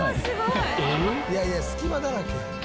「いやいや隙間だらけやん」